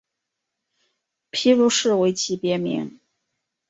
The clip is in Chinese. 皮鲁士为其别名。